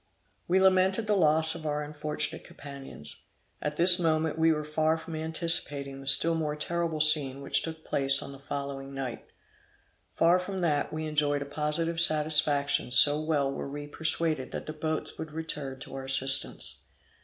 We lamented the loss of our unfortunate companions. At this moment we were far from anticipating the still more terrible scene which took place on the following night; far from that, we enjoyed a positive satisfaction so well were we persuaded that the boats would return to our assistance.